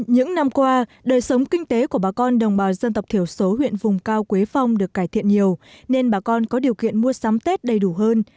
những năm qua đời sống kinh tế của bà con đồng bào dân tộc thiểu số huyện vùng cao quế phong được cải thiện nhiều nên bà con có điều kiện mua sắm tết đầy đủ hơn